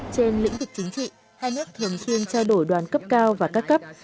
trên lĩnh vực chính trị hai nước thường xuyên trao đổi đoàn cấp cao và các cấp